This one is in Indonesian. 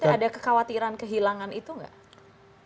ada kekhawatiran kehilangan itu enggak